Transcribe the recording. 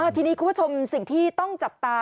ทีนี้คุณผู้ชมสิ่งที่ต้องจับตา